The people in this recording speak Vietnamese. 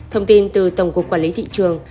thông tin từ tổng cục quản lý thị trường